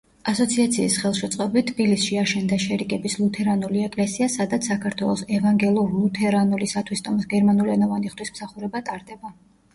ასოციაციის ხელშეწყობით თბილისში აშენდა შერიგების ლუთერანული ეკლესია, სადაც საქართველოს ევანგელურ-ლუთერანული სათვისტომოს გერმანულენოვანი ღვთისმსახურება ტარდება.